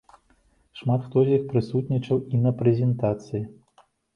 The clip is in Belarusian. Шмат хто з іх прысутнічаў і на прэзентацыі.